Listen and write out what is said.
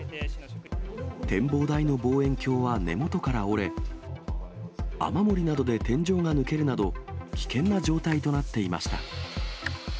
展望台の望遠鏡は根元から折れ、雨漏りなどで天井が抜けるなど、危険な状態となっていました。